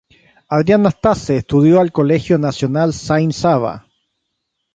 Adrian Năstase estudió al Colegio Nacional Saint Sava.